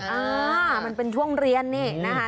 อ่ามันเป็นช่วงเรียนนี่นะคะ